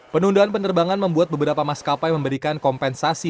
penundaan penerbangan membuat beberapa maskapai memberikan kompensasi